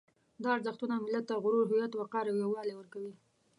دا ارزښتونه ملت ته غرور، هویت، وقار او یووالی ورکوي.